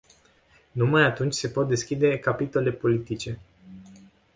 Numai atunci se pot deschide capitole politice.